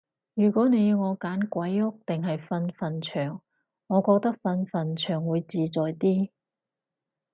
如果你要我揀鬼屋定係瞓墳場，我覺得瞓墳場會自在啲